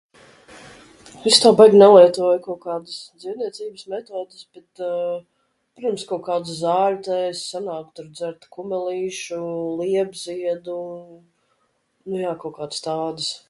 Es tā baigi nelietoju kaut kādas dziedniecības metodes, bet, protams, kaut kādas zāļu tējas sanāk tur dzert - kumelīšu, liepziedu. Nu jā, kaut kādas tādas.